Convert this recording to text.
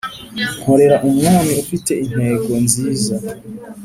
nkorera umwami ufite intego nziza